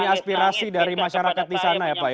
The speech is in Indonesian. ini aspirasi dari masyarakat di sana ya pak ya